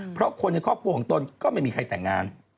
เพราะคนในครอบครัวของตนก็ไม่มีใครแต่งงาน